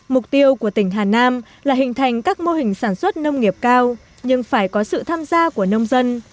mục tiêu của tỉnh hà nam là hình thành các mô hình sản xuất nông nghiệp cao nhưng phải có sự tham gia của nông dân